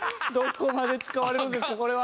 どこまで使われるんですか？